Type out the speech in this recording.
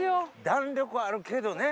弾力はあるけどね。